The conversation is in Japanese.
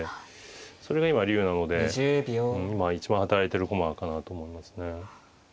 それが今竜なので今一番働いてる駒かなと思いますね。